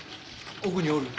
奥におるよ。